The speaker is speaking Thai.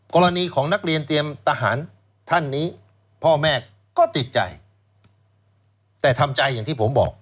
กรณีของนักเรียนเตรียมทหารท่านนี้พ่อแม่ก็ติดใจแต่ทำใจอย่างที่ผมบอก